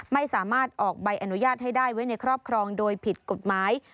ไม่สามารถออกใบอนุญาตให้ได้ไว้ในครอบครองโดยผิดกฎหมาย